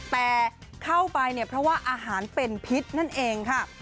แต่เข้าไปเนี่ยเพราะว่าอาหารเป็นพิษนั่นเองค่ะ